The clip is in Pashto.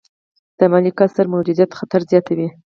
د مالي کسر موجودیت خطر زیاتوي.